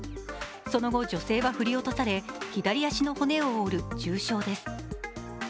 その後女性は振り落とされ左足の骨を折る重傷です。